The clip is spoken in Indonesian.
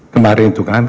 kemarin itu kan